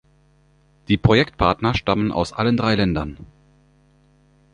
Die Projektpartner stammen aus allen drei Ländern.